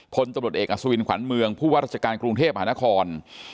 คนจำหนดเอกอสวินขวานเมืองผู้วราชการกรุงเทพฯหานคร